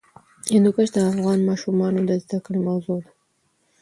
هندوکش د افغان ماشومانو د زده کړې موضوع ده.